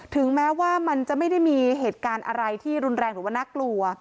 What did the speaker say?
ถึงแม้ว่ามันจะไม่ได้มีเหตุการณ์อะไรที่รุนแรงหรือว่าน่ากลัว